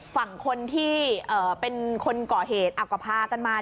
ฝั่งคนเป็นคนก่อเหตุอากปะพากันมา